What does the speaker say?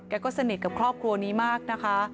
ก็สนิทกับครอบครัวนี้มากนะคะ